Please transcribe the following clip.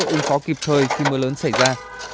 ứng phó kịp thời khi mưa lớn xảy ra